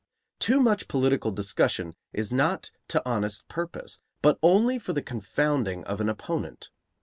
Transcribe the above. Too much political discussion is not to honest purpose, but only for the confounding of an opponent.